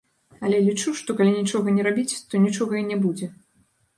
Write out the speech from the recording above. Але лічу, што калі нічога не рабіць, то нічога і не будзе.